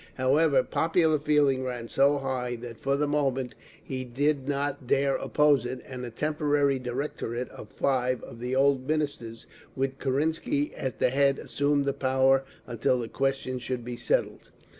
However, popular feeling ran so high that for the moment he did not dare oppose it, and a temporary Directorate of Five of the old Ministers, with Kerensky at the head, assumed the power until the question should be settled.